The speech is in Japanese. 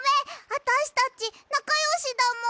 あたしたちなかよしだもん！